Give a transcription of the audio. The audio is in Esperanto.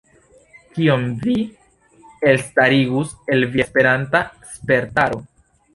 Kion vi elstarigus el via Esperanta spertaro?